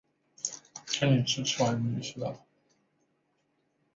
一楼圆形大厅的内部装潢主要为铸铁造成的圆顶及绘于墙上的八幅壁画。